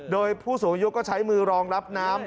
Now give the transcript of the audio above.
โดยผู้สูงอายุก็ใช้มือรองรับน้ำ